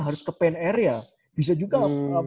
harus ke pen area bisa juga